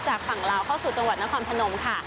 ฝั่งลาวเข้าสู่จังหวัดนครพนมค่ะ